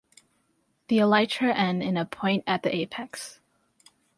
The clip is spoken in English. The elytra end in a point at the apex.